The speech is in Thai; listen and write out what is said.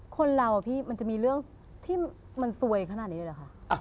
คนเราอะพี่มันจะมีเรื่องที่มันซวยขนาดนี้เลยเหรอคะ